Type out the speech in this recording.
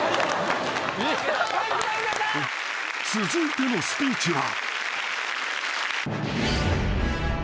［続いてのスピーチは］